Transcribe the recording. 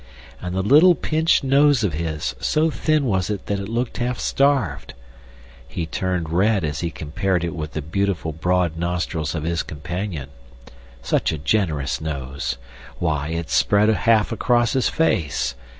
And the little pinched nose of his; so thin was it that it looked half starved. He turned red as he compared it with the beautiful broad nostrils of his companion. Such a generous nose! Why it spread half across his face!